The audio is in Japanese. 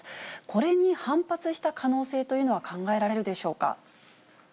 これに反発した可能性というのは考えられるでしょうか。